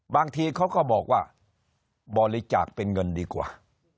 บางทีเขาก็บอกว่าบริจาคเป็นเงินดีกว่า